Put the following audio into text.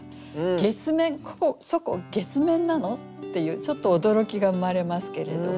月面「そこ月面なの？」っていうちょっと驚きが生まれますけれども。